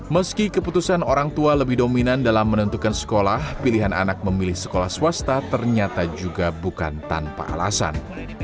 meski keputusan orang tua lebih dominan dalam menentukan sekolah pilihan anak memilih sekolah swasta ternyata juga bukan tanpa alasan